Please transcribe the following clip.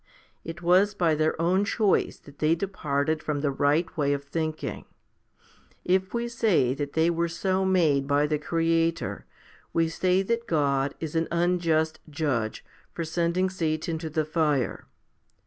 It was by their own choice that they departed from the right way of thinking. If we say that they were so made by the Creator, we say that God is an unjust judge for sending Satan to the fire.